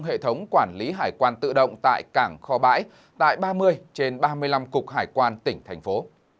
hệ thống quản lý hải quan tự động tại cảng kho bãi tại ba mươi trên ba mươi năm cục hải quan tỉnh thành phố